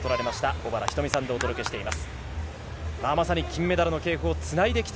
小原日登美さんとお届けしていきます。